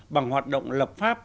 bằng hoạt động lập pháp